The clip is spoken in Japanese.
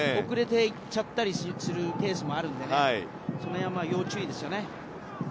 遅れて行っちゃったりするケースもあるので要注意ですね。